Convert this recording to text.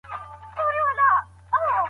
بهرنۍ پالیسي د احساساتو پر بنسټ نه جوړېږي.